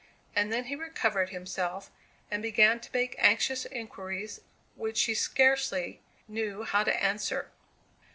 And then he recovered himself, and began to make anxious inquiries which she scarcely knew how to answer.